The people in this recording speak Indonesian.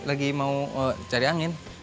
lagi mau cari angin